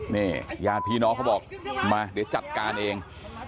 นี่ญาติพี่น้องเขาบอกมาเดี๋ยวจัดการเอง